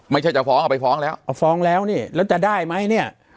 จะฟ้องเอาไปฟ้องแล้วเอาฟ้องแล้วนี่แล้วจะได้ไหมเนี่ย